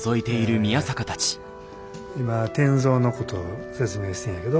今転造のことを説明してんやけど。